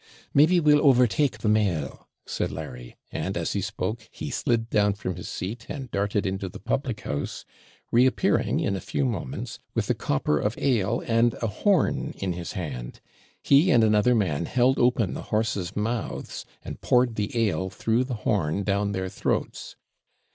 'Maybe we'll overtake the mail,' said Larry; and, as he spoke, he slid down from his seat, and darted into the public house, reappearing, in a few moments, with a copper of ale and a horn in his hand; he and another man held open the horses' mouths, and poured the ale through the horn down their throats.